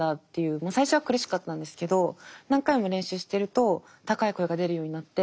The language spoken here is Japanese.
まあ最初は苦しかったんですけど何回も練習してると高い声が出るようになって